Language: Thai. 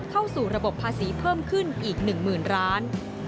เข้าสู่ระบบภาษีเพิ่มขึ้นอีก๑๐๐๐ล้าน